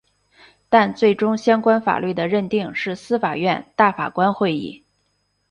但最终相关法律的认定是司法院大法官会议。